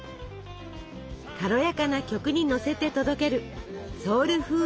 軽やかな曲にのせて届けるソウルフードの魅力。